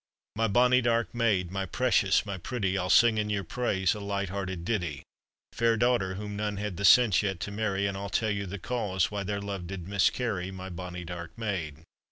] My bonny dark maid, My precious, my pretty, I'll sing in your praise A light hearted ditty; Fair daughter whom none Had the sense yet to marry; And I'll tell you the cause "Why their love did miscarry, My bonnie dark maid!